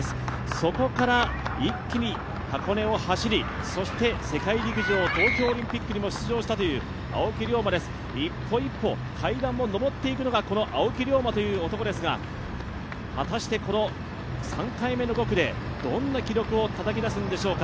そこから一気に箱根を走り、そして世界陸上東京オリンピックにも出場したという青木涼真です、一歩一歩階段を上っていくのがこの青木涼真という男ですが果たしてこの３回目の５区で、どんな記録をたたき出すんでしょうか。